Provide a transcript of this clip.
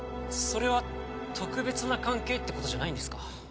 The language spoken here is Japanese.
それは特別な関係ってことじゃないんですか？